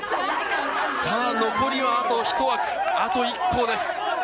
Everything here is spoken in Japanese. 残りは、あとひと枠、あと１校です。